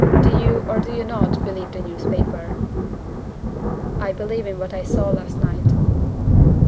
Do you, or do you not, believe the newspaper?" "I believe in what I saw last night."